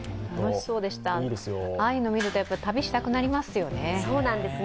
ああいうのを見ると旅したくなりますよね。